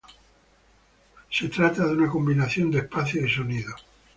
Se trata de una combinación de espacios y sonidos.